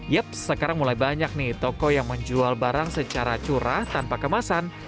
yep sekarang mulai banyak nih toko yang menjual barang secara curah tanpa kemasan